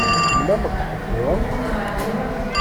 Temlaleḍ-d ḥedd-iḍen?